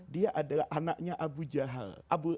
dia adalah anaknya abu jahal